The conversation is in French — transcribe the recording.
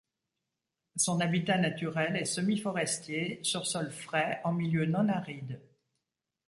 Son habitat naturel est semi-forestier, sur sol frais en milieu non aride.